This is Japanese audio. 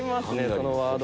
そのワード。